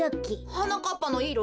はなかっぱのいろ？